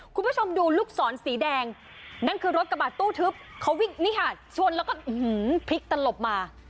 คุณผู้ชมดูลูกศรสีแดงนั่นคือรถกระบาดตู้ทึบเขาวิ่งนี่ค่ะชนแล้วก็พลิกตลบมา